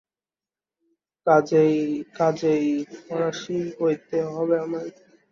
কাজে কাজেই ফরাসী কইতে হবে আমায়।